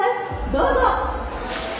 どうぞ。